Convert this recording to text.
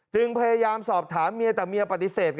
พยายามสอบถามเมียแต่เมียปฏิเสธ